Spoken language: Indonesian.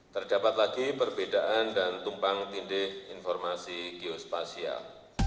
terdapat lagi perbedaan dan tumpang tindih informasi geospasial